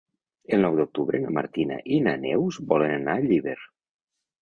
El nou d'octubre na Martina i na Neus volen anar a Llíber.